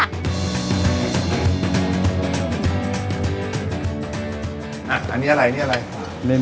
อันนี้อะไรนี่อะไร